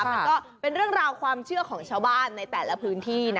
มันก็เป็นเรื่องราวความเชื่อของชาวบ้านในแต่ละพื้นที่นะ